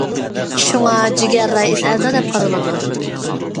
شۇڭا، جىگەر رەئىس ئەزا دەپ قارىلىدۇ.